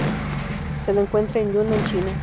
Se la encuentra en Yunnan, China.